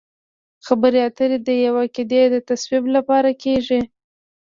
خبرې اترې د یوې قاعدې د تصویب لپاره کیږي